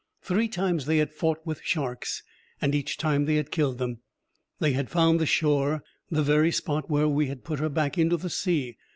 Three times they had fought with sharks, and each time they had killed them. They had found the shore, the very spot where we had put her back into the sea.